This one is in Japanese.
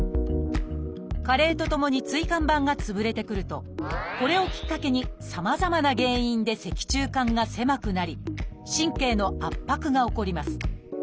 加齢とともに椎間板が潰れてくるとこれをきっかけにさまざまな原因で脊柱管が狭くなり神経の圧迫が起こります。